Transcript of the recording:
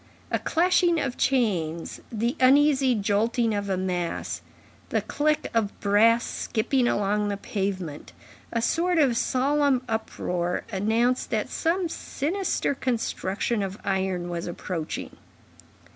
A clashing of chains, the uneasy jolting of a mass, the click of brass skipping along the pavement, a sort of solemn uproar, announced that some sinister construction of iron was approaching.